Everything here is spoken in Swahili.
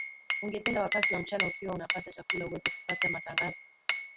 ungependa wakati wa mchana ukiwa unapata chakula uweze kupata matangazo